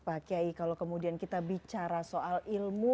pak kiai kalau kemudian kita bicara soal ilmu